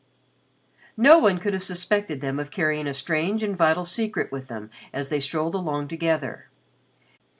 No one could have suspected them of carrying a strange and vital secret with them as they strolled along together.